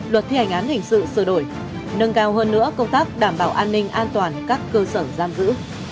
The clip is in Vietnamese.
luật thi hành án hình sự sửa đổi nâng cao hơn nữa công tác đảm bảo an ninh an toàn các cơ sở giam giữ